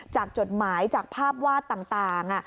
จดหมายจากภาพวาดต่าง